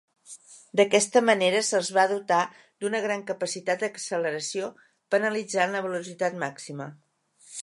D'aquesta manera se'ls va dotar d'una gran capacitat d'acceleració penalitzant la velocitat màxima.